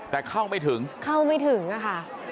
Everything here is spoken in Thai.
แต่เข้าไม่ถึงเข้าไม่ถึงอะค่ะ